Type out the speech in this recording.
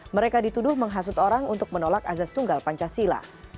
mereka dituduh menghasut orang untuk menolak azaz tunggal pancasila